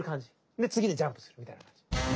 で次にジャンプするみたいな感じ。